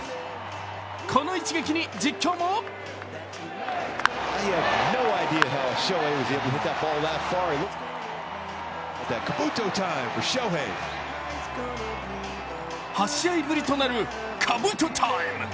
この一撃に実況も８試合ぶりとなるかぶとタイム。